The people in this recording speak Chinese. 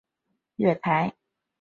月台与站舍以地下通道连结。